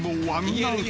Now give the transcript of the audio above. アウト。